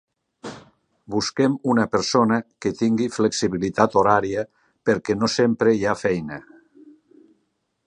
Busquem una persona que tingui flexibilitat horària, perquè no sempre hi ha feina.